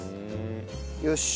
よし。